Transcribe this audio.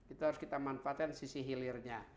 itu harus kita manfaatkan sisi hilirnya